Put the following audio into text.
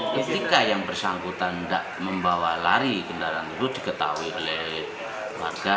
ketika yang bersangkutan tidak membawa lari kendaraan itu diketahui oleh warga